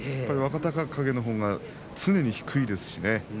若隆景のほうが常に低いですね。